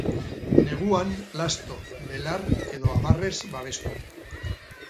Neguan lasto, belar edo abarrez babestu.